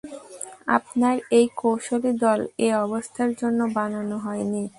আপনার এই কৌশলী দল এ অবস্থার জন্য বানানো হয় নি।